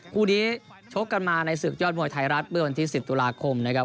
คู่นี้ชกกันมาในศึกยอดมวยไทยรัฐเมื่อวันที่๑๐ตุลาคมนะครับ